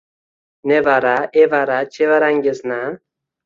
Nevara, evara, chevarangizni.